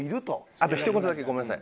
あとひと言だけごめんなさい。